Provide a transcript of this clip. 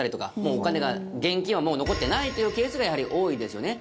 お金が現金はもう残ってないっていうケースがやはり多いですよね。